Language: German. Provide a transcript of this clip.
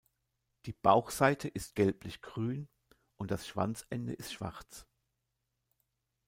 Die Bauchseite ist gelblichgrün und das Schwanzende ist schwarz.